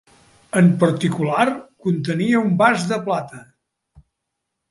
En particular, contenia un vas de plata.